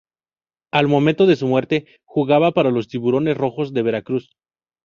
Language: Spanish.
Al momento de su muerte, jugaba para los Tiburones Rojos de Veracruz.